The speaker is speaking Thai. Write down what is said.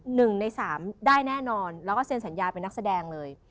หนึ่งในสามได้แน่นอนแล้วก็เซ็นสัญญาเป็นนักแสดงเลย